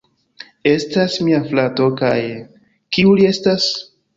Estas mia frato kaj... kiu li estas?